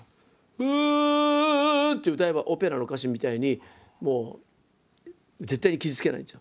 「ウ！」って歌えばオペラの歌手みたいにもう絶対に傷つけないんですよ。